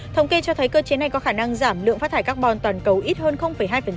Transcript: thống kê cho thấy cơ chế này có khả năng giảm lượng phát thải carbon toàn cầu ít hơn hai